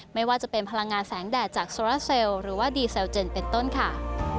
ไม่ว่าจะเป็นพลังงานแสงแดดจากโซราเซลหรือว่าดีเซลเจนเป็นต้นค่ะ